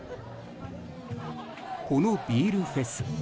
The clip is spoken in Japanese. このビールフェス。